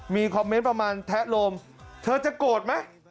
มีคอมเมนต์ประมาณแทะโลมเธอจะโกรธไหม